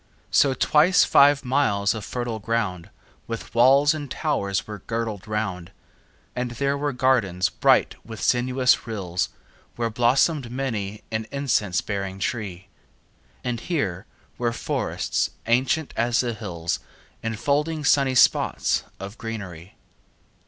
5 So twice five miles of fertile ground With walls and towers were girdled round: And there were gardens bright with sinuous rills Where blossom'd many an incense bearing tree; And here were forests ancient as the hills, 10 Enfolding sunny spots of greenery.